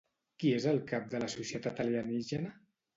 Qui és el cap de la societat alienígena?